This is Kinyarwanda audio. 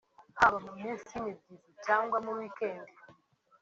haba mu minsi y’imibyizi cyangwa muri wikendi